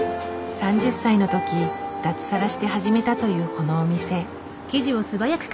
３０歳のとき脱サラして始めたというこのお店。